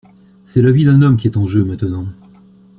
c’est la vie d’un homme qui est en jeu maintenant.